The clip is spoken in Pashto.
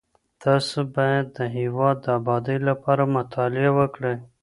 تاسو بايد د هېواد د ابادۍ لپاره مطالعه وکړئ.